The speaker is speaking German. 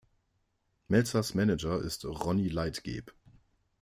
Melzers Manager ist Ronnie Leitgeb.